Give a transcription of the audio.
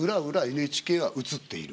ＮＨＫは映っている。